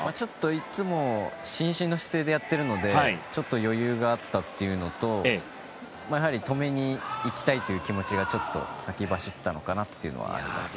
いつも伸身の姿勢でやっているのでちょっと余裕があったというのと止めにいきたいという気持ちがちょっと先走ったのかなというのはあります。